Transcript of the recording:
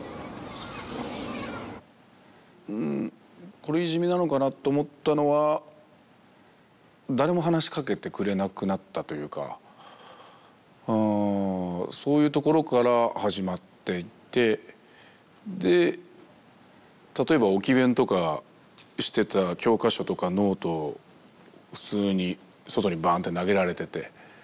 これいじめなのかなって思ったのは誰も話しかけてくれなくなったというかうんそういうところから始まっていってで例えば置き勉とかしてた教科書とかノートを普通に外にバンッて投げられてて。